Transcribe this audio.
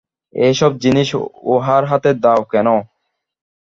এ-সব জিনিস উহার হাতে দাও কেন?